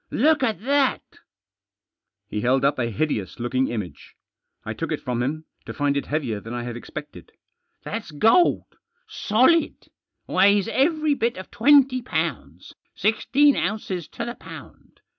Look at that !" He held up a hideous looking image. I took it from him, to find it heavier than I had expected. "That's gold — solid. Weighs every bit of twenty pounds, sixteen ounces to the pound.